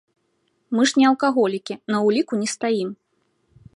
Мы ж не алкаголікі, на ўліку не стаім.